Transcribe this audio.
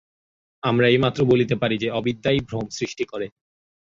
আমরা এই মাত্র বলিতে পারি যে, অবিদ্যাই ভ্রম সৃষ্টি করে।